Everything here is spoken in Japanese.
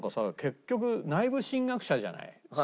結局内部進学者じゃない附属校の。